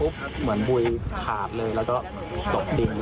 ทามละก็โบสถ์นั้น